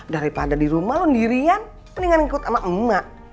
daripada di rumah lo dirian mendingan ngikut sama emak